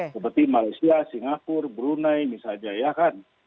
seperti malaysia singapura brunei misalnya ya kan